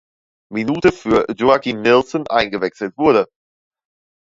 Minute für Joakim Nilsson eingewechselt wurde.